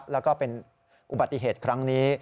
แล้วก็เป็นอุบัติเหตุครั้งนี้